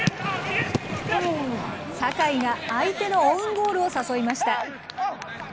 酒井が相手のオウンゴールを誘いました。